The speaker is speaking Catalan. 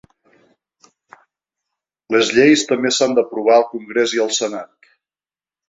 Les lleis també s’han d’aprovar al congrés i al senat.